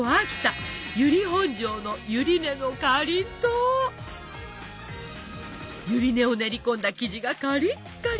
由利本荘のゆり根を練り込んだ生地がカリッカリ！